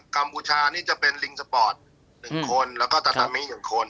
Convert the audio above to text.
กมชานี่จะเป็นลิงสปอร์ต๑คนแล้วก็ตาตามิ๑คน